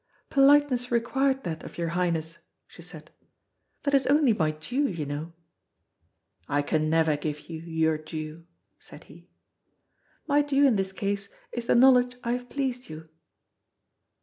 "Politeness required that of your Highness," she said. "That is only my due, you know." "I can never give you your due," said he. "My due in this case is the knowledge I have pleased you."